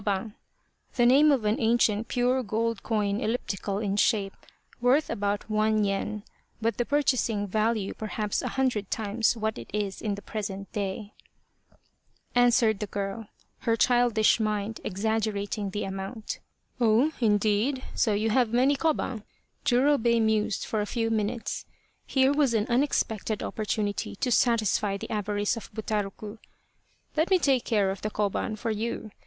* Koban the name of an ancient pure gold coin elliptical in shape, worth about one Yen, but the purchasing value perhaps a hundred times what it is in the present day. 31 The Quest of the Sword " Oh, indeed, so you have many koban ?" Jurobei mused for a few minutes. Here was an unexpected opportunity to satisfy the avarice of Butaroku. :' Let me take care of the koban for you.